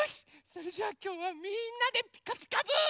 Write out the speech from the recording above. それじゃあきょうはみんなで「ピカピカブ！」。